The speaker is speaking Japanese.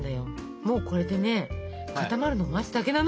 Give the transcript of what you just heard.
もうこれでね固まるのを待つだけなの。